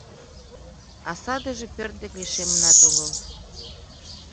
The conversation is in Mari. А садыже пӧрт дек лишемынат огыл.